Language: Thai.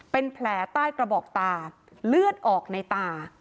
เป็นแผลใต้กระบอกตาเลือดออกในตา